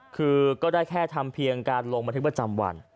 คือก็ได้แค่ทำเพียงการลงบันทึกประจำวัน